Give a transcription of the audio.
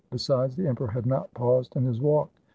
Besides, the emperor had not paused in his walk.